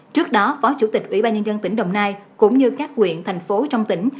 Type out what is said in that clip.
trước đó phó chủ tịch ủy ban nhân dân tỉnh đồng nai cũng như các nguyện thành phố trong tỉnh